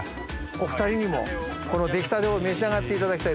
お２人にもこの出来たてを召し上がっていただきたい。